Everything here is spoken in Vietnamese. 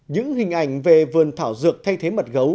những hình ảnh về vườn thảo dược thay thế mật gấu